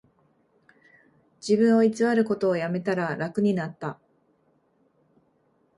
自分を偽ることをやめたら楽になった